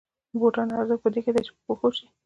د بوټانو ارزښت په دې کې دی چې په پښو شي